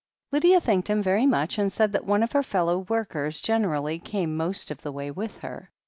Lydia thanked him very much, and said that one of her fellow workers generally came most of the way with her.